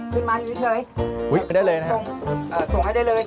ขึ้นมาอยู่เฉยส่งให้ได้เลย